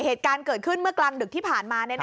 เหตุการณ์เกิดขึ้นเมื่อกลางดึกที่ผ่านมา